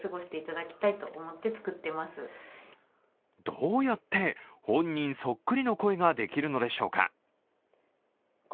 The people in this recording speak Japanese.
どうやって本人そっくりの声ができるのでしょうか？